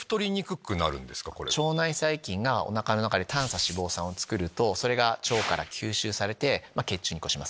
腸内細菌がおなかの中で短鎖脂肪酸を作るとそれが腸から吸収されて血中に移行します。